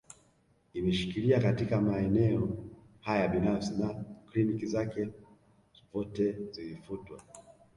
Imeshikilia katika maeneo haya binafsi na kliniki zake zpote zilifutwa